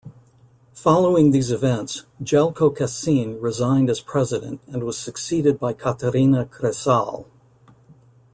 Following these events, Jelko Kacin resigned as President and was succeeded by Katarina Kresal.